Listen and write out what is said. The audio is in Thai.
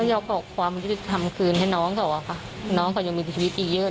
อยากขอความยุติธรรมคืนให้น้องเขาอะค่ะน้องเขายังมีชีวิตอีกเยอะ